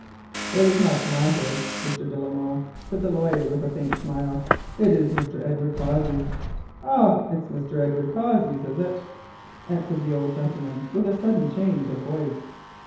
"It is not my horse, Mr. de la Molle," said the lawyer, with a faint smile, "it is Mr. Edward Cossey's." "Oh! it's Mr. Edward Cossey's, is it?" answered the old gentleman with a sudden change of voice.